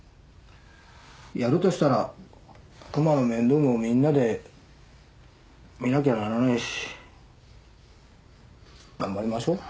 やるとしたら熊の面倒もみんなで見なきゃならねえし頑張りましょう。